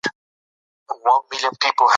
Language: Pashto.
د ناروغيو د خپرېدو مخنيوی يې هڅاوه.